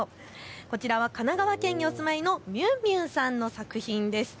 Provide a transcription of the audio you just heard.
こちらは神奈川県にお住まいのみゅんみゅんさんの作品です。